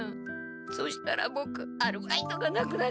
そしたらボクアルバイトがなくなっちゃいます。